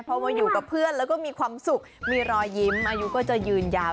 พอมาอยู่กับเพื่อนแล้วก็มีความสุขมีรอยยิ้มอายุก็จะยืนยาว